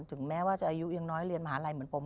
ถึงแม้ว่าจะอายุยังน้อยเรียนมหาลัยเหมือนผม